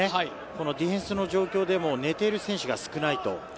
ディフェンスの状況でも出ている選手が少ないと。